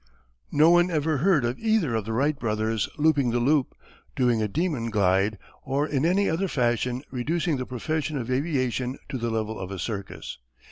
No one ever heard of either of the Wright brothers "looping the loop," doing a "demon glide," or in any other fashion reducing the profession of aviation to the level of a circus.